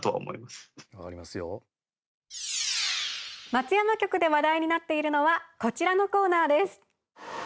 松山局で話題になっているのはこちらのコーナーです。